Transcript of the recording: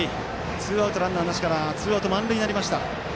ツーアウト、ランナーなしからツーアウト、満塁になりました。